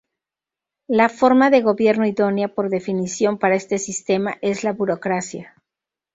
La forma de gobierno idónea por definición para este sistema es la burocracia.